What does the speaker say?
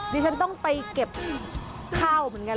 ดิฉันต้องไปเก็บข้าวเหมือนกัน